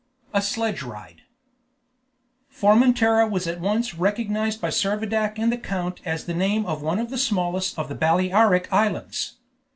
A SLEDGE RIDE Formentera was at once recognized by Servadac and the count as the name of one of the smallest of the Balearic Islands.